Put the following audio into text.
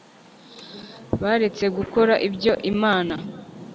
Baretse gukora ibyo Imana